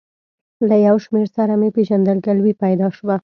له یو شمېر سره مې پېژندګلوي پیدا شوه.